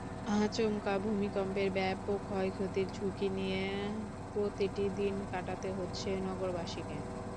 আচমকা ভূমিকম্পের ব্যাপক ক্ষয়ক্ষতির ঝুঁকি নিয়ে প্রতিটি দিন কাটাতে হচ্ছে নগরবাসীকে।